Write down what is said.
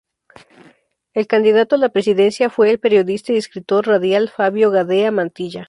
El candidato a la presidencia fue el periodista y escritor radial Fabio Gadea Mantilla.